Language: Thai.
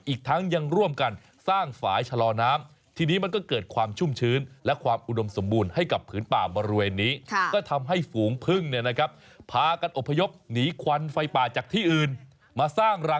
อีกทั้งยังร่วมกันสร้างฝายชะลอน้ำ